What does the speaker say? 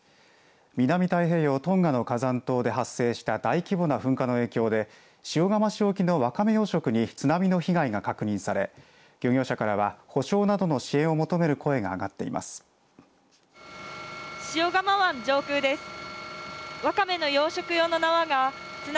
南太平洋トンガの火山島で発生した大規模な噴火の影響で塩釜市沖のワカメ養殖に津波の被害が確認され漁業者からは補償などの支援を求める声が上がっています。